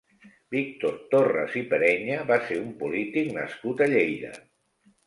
Víctor Torres i Perenya va ser un polític nascut a Lleida.